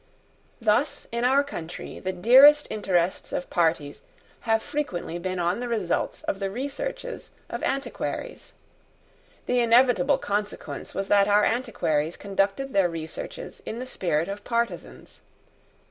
Thus in our country the dearest interests of parties have frequently been on the results of the researches of antiquaries. The inevitable consequence was that our antiquaries conducted their researches in the spirit of partisans.